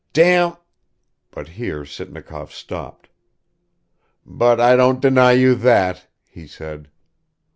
"Damn ...," but here Sitnikov stopped. "But I don't deny you that," he said.